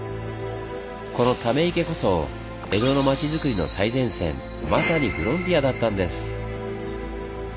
この溜池こそ江戸の町づくりの最前線まさにフロンティアだったんです。